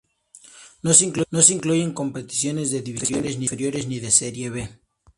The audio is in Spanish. No se incluyen competiciones de divisiones inferiores ni de Serie "B".